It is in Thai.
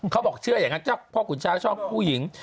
เขาบอกเชื่ออย่างนั้นเจ้าพ่อขุนช้าชอบผู้หญิง